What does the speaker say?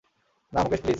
না, মুকেশ প্লীজ।